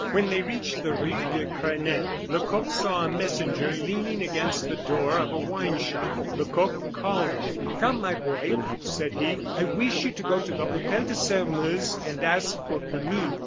When they reached the Rue de Grenelle, Lecoq saw a messenger leaning against the door of a wine shop. Lecoq called him. "Come, my boy," said he; "I wish you to go to the Hotel de Sairmeuse and ask for Camille.